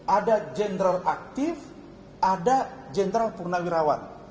ada jenderal aktif ada jenderal purnawirawan